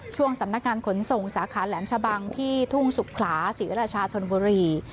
ช่วงสำนักงานขนส่งสาขาแหลมชะบังที่ทุ่งสุขลาศรีราชาชนบุรี